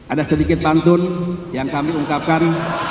ada sedikit pantun yang kami ungkapkan